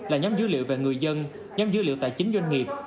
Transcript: là nhóm dữ liệu về người dân nhóm dữ liệu tài chính doanh nghiệp